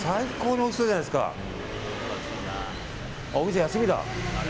お店、休みだ。